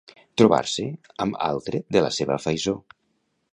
Trobar-se amb altre de la seva faisó.